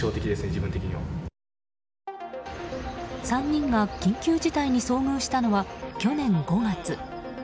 ３人が緊急事態に遭遇したのは去年５月。